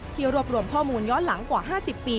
รวบรวมข้อมูลย้อนหลังกว่า๕๐ปี